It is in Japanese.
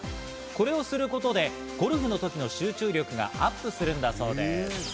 これをすることで、ゴルフの時の集中力がアップするんだそうです。